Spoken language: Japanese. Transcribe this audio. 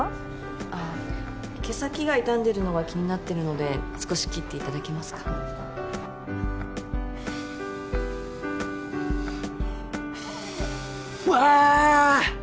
あっ毛先が傷んでるのが気になってるので少し切っていただけますかあ！